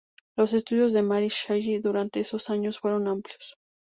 Los estudios de Mary Shelley durante esos años fueron amplios.